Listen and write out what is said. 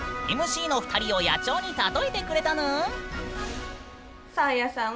ＭＣの２人を野鳥に例えてくれたぬん！